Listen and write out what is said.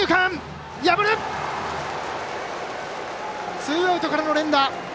ツーアウトからの連打！